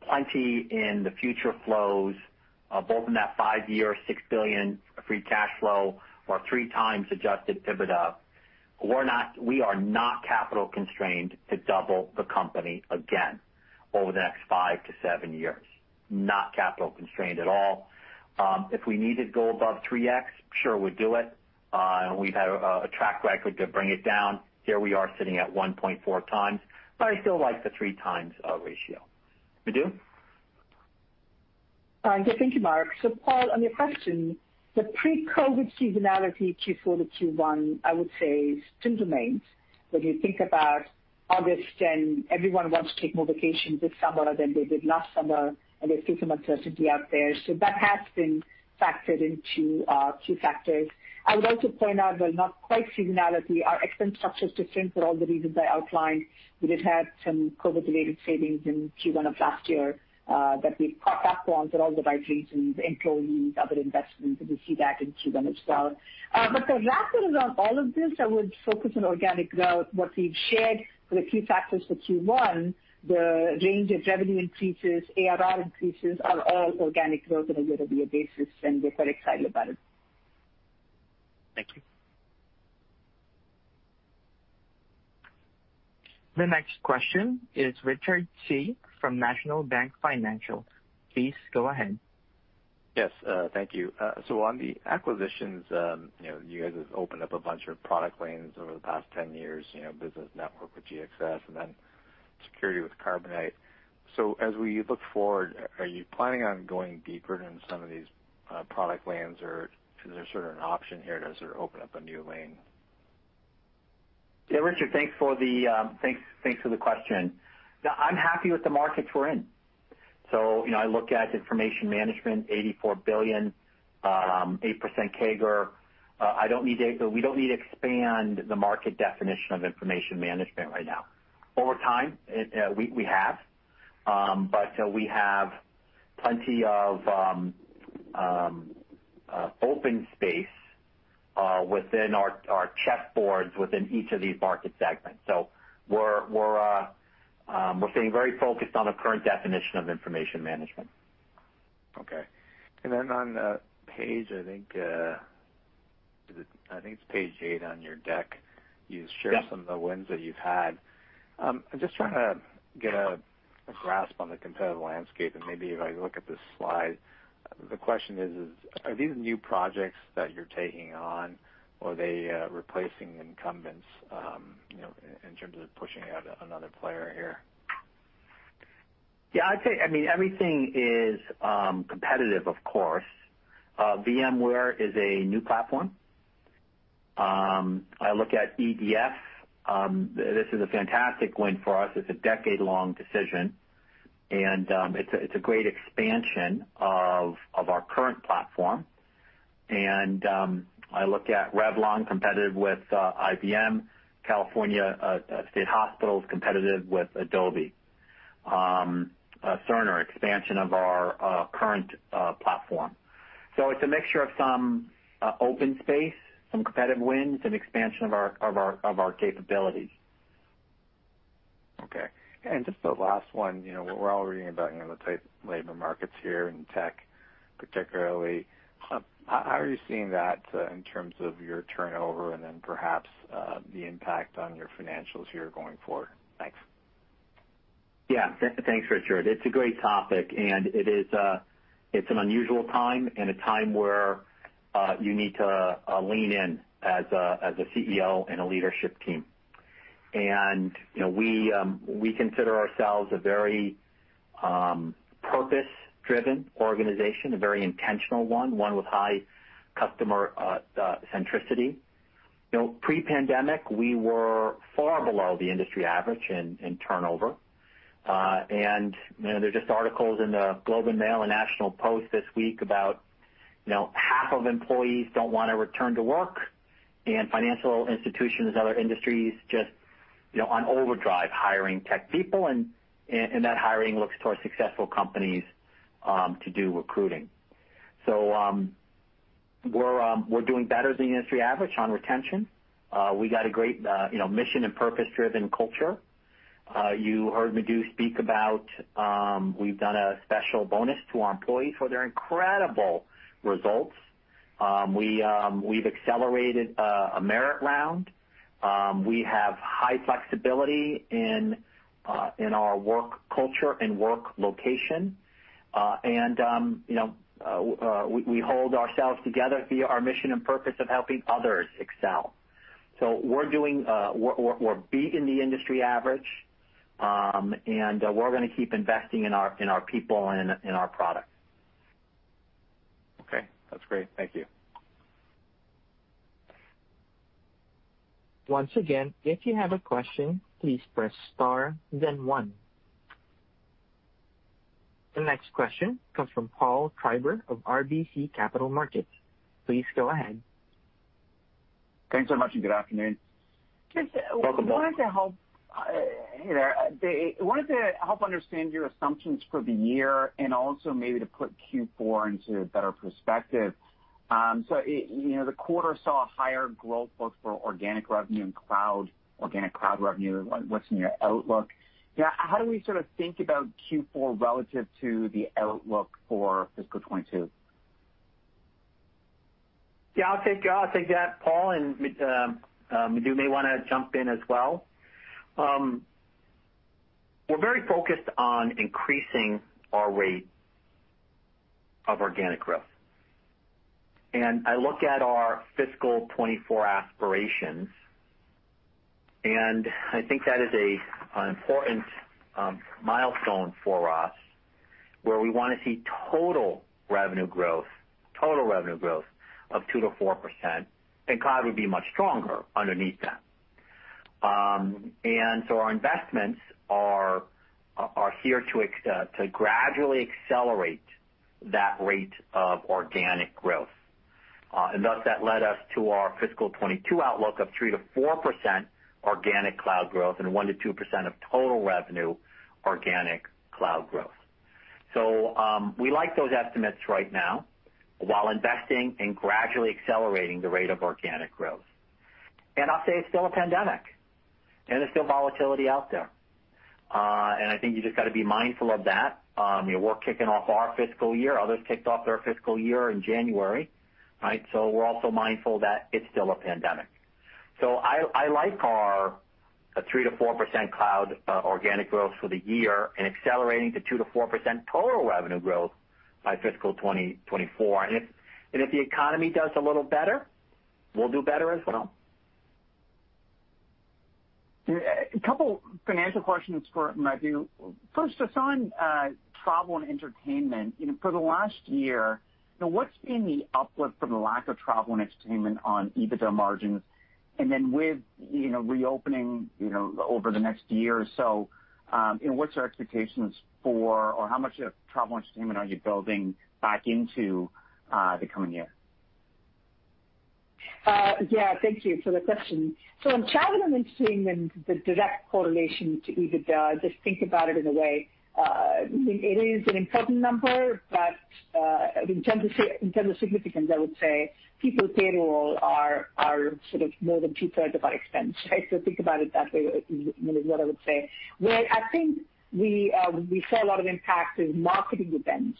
plenty in the future flows, both in that five-year, $6 billion free cash flow or 3x adjusted EBITDA. We are not capital constrained to double the company again over the next five-seven years. Not capital constrained at all. If we need to go above 3x, sure, we'd do it. We've had a track record to bring it down. Here we are sitting at 1.4x, but I still like the 3x ratio. Madhu? Yeah. Thank you, Mark. Paul, on your question, the pre-COVID seasonality Q4-Q1, I would say still remains. When you think about August, and everyone wants to take more vacations this summer than they did last summer, and there's still some uncertainty out there. That has been factored into key factors. I would also point out, though not quite seasonality, our expense structure is different for all the reasons I outlined. We did have some COVID-related savings in Q1 of last year that we've caught back on for all the right reasons, employees, other investments, and we see that in Q1 as well. The wrapper around all of this, I would focus on organic growth, what we've shared for the key factors for Q1, the range of revenue increases, ARR increases, are all organic growth on a year-over-year basis, and we're very excited about it. Thank you. The next question is Richard Tse from National Bank Financial. Please go ahead. Yes. Thank you. On the acquisitions, you guys have opened up a bunch of product lanes over the past 10 years, business network with GXS and then security with Carbonite. As we look forward, are you planning on going deeper into some of these product lanes, or is there sort of an option here to sort of open up a new lane? Yeah, Richard, thanks for the question. No, I'm happy with the markets we're in. I look at information management, $84 billion, 8% CAGR. We don't need to expand the market definition of information management right now. Over time, we have, but we have plenty of open space within our chessboards within each of these market segments. We're staying very focused on the current definition of information management. Okay. On page, I think it's page eight on your deck. Yeah You share some of the wins that you've had. I'm just trying to get a grasp on the competitive landscape, maybe if I look at this slide, the question is, are these new projects that you're taking on, or are they replacing incumbents, in terms of pushing out another player here? Yeah. I'd say, everything is competitive, of course. VMware is a new platform. I look at EDF. This is a fantastic win for us. It's a decade-long decision, and it's a great expansion of our current platform. I look at Revlon, competitive with IBM, California State Hospital is competitive with Adobe. Cerner, expansion of our current platform. It's a mixture of some open space, some competitive wins, some expansion of our capabilities. Okay. Just the last one, we're all reading about the tight labor markets here in tech particularly. How are you seeing that in terms of your turnover and then perhaps the impact on your financials here going forward? Thanks. Yeah. Thanks, Richard. It's a great topic. It's an unusual time and a time where you need to lean in as a CEO and a leadership team. We consider ourselves a very purpose-driven organization, a very intentional one with high customer centricity. Pre-pandemic, we were far below the industry average in turnover. There are just articles in the "Globe and Mail" and "National Post" this week about half of employees don't want to return to work. Financial institutions, other industries, just on overdrive hiring tech people, and that hiring looks towards successful companies to do recruiting. We're doing better than the industry average on retention. We got a great mission and purpose-driven culture. You heard Madhu speak about. We've done a special bonus to our employees for their incredible results. We've accelerated a merit round. We have high flexibility in our work culture and work location. We hold ourselves together via our mission and purpose of helping others excel. We're beating the industry average, and we're going to keep investing in our people and in our products. Okay, that's great. Thank you. Once again, if you have a question, please press star then one. The next question comes from Paul Treiber of RBC Capital Markets. Please go ahead. Thanks so much, and good afternoon. Welcome, Paul. Hey there. I wanted to help understand your assumptions for the year and also maybe to put Q4 into a better perspective. The quarter saw higher growth both for organic revenue and cloud, organic cloud revenue. What's in your outlook? How do we sort of think about Q4 relative to the outlook for fiscal 2022? Yeah, I'll take that, Paul, and Madhu may want to jump in as well. We're very focused on increasing our rate of organic growth. I look at our fiscal 2024 aspirations, and I think that is an important milestone for us, where we want to see total revenue growth of 2%-4%, and cloud would be much stronger underneath that. Our investments are here to gradually accelerate that rate of organic growth. That led us to our fiscal 2022 outlook of 3%-4% organic cloud growth and 1%-2% of total revenue organic cloud growth. We like those estimates right now while investing and gradually accelerating the rate of organic growth. I'll say it's still a pandemic, and there's still volatility out there. I think you just got to be mindful of that. We're kicking off our fiscal year. Others kicked off their fiscal year in January, right? We're also mindful that it's still a pandemic. I like our 3%-4% cloud organic growth for the year and accelerating to 2%-4% total revenue growth by fiscal 2024. If the economy does a little better, we'll do better as well. A couple financial questions for Madhu. First, just on travel and entertainment. For the last year, what's been the uplift from the lack of travel and entertainment on EBITDA margins? Then with reopening over the next year or so, what's your expectations for, or how much of travel and entertainment are you building back into the coming year? Yeah. Thank you for the question. On travel and entertainment, the direct correlation to EBITDA, just think about it in a way, it is an important number, but in terms of significance, I would say people, payroll are sort of more than 2/3 of our expense, right? Think about it that way, is what I would say. Where I think we saw a lot of impact is marketing events,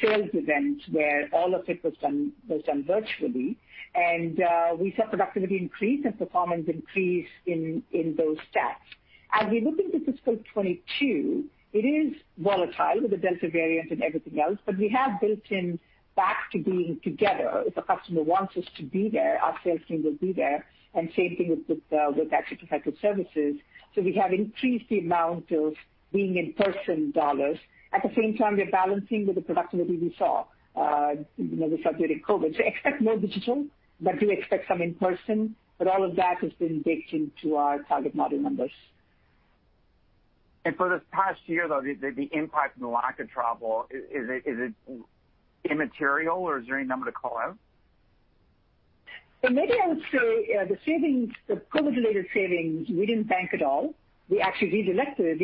sales events, where all of it was done virtually. We saw productivity increase and performance increase in those stats. As we look into fiscal 2022, it is volatile with the Delta variant and everything else, but we have built in back to being together. If a customer wants us to be there, our sales team will be there, and same thing with our professional services. We have increased the amount of being in-person dollars. At the same time, we are balancing with the productivity we saw with subject to COVID. Expect more digital, but do expect some in person, but all of that has been baked into our target model numbers. For this past year, though, the impact from the lack of travel, is it immaterial, or is there any number to call out? Maybe I would say the COVID-related savings, we didn't bank at all. We actually redirected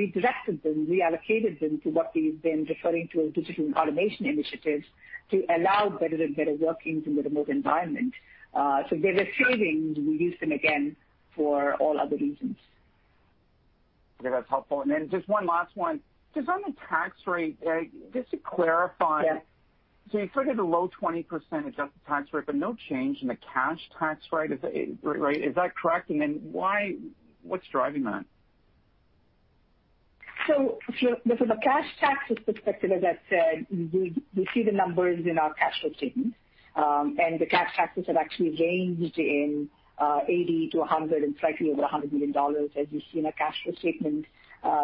them, reallocated them to what we've been referring to as digital automation initiatives to allow better and better workings in the remote environment. They're savings. We use them again for all other reasons. Okay, that's helpful. Just one last one. Just on the tax rate, just to clarify. Yeah. You quoted a low 20% adjusted tax rate, but no change in the cash tax rate, right? Is that correct? What's driving that? From the cash taxes perspective, as I said, you see the numbers in our cash flow statement. The cash taxes have actually ranged in $80 million-$100 million and slightly over $100 million as you've seen our cash flow statement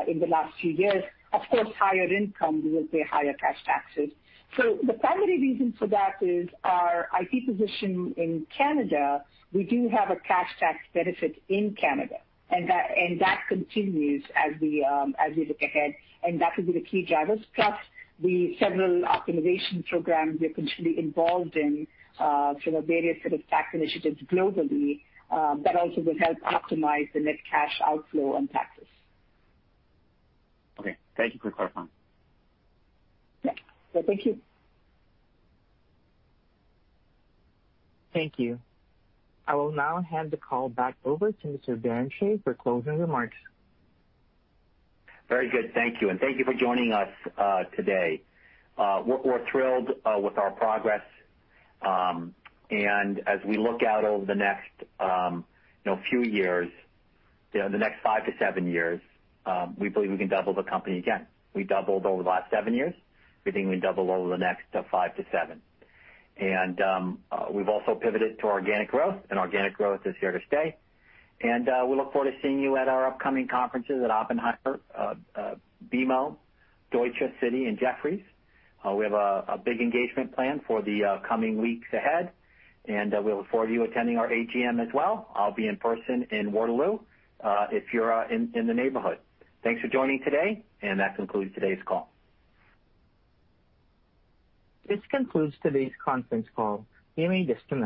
in the last few years. Of course, higher income, you will pay higher cash taxes. The primary reason for that is our IP position in Canada. We do have a cash tax benefit in Canada, and that continues as we look ahead, and that would be the key drivers. Plus the several optimization programs we are continually involved in from a various sort of tax initiatives globally, that also will help optimize the net cash outflow on taxes. Okay. Thank you for clarifying. Thank you. Thank you. I will now hand the call back over to Mr. Barrenechea for closing remarks. Very good. Thank you, thank you for joining us today. We're thrilled with our progress. As we look out over the next few years, the next five-seven years, we believe we can double the company again. We doubled over the last seven years. We think we can double over the next five-seven. We've also pivoted to organic growth, organic growth is here to stay. We look forward to seeing you at our upcoming conferences at Oppenheimer, BMO, Deutsche, Citi, and Jefferies. We have a big engagement plan for the coming weeks ahead, we look forward to you attending our AGM as well. I'll be in person in Waterloo, if you're in the neighborhood. Thanks for joining today, that concludes today's call. This concludes today's conference call. You may disconnect.